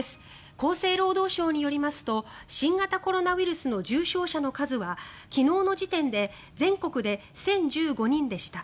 厚生労働省によりますと新型コロナウイルスの重症者の数は昨日の時点で全国で１０１５人でした。